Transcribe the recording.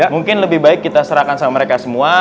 mungkin lebih baik kita serahkan sama mereka semua